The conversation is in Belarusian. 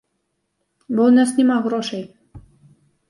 Бо ў нас няма грошай.